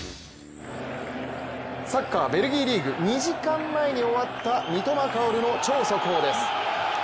サッカー、ベルギーリーグ。２時間前に終わった三笘薫の超速報です。